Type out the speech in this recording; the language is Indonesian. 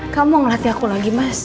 kamu ngelatih aku lagi mas